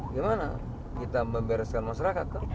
gimana kita membereskan masyarakat kan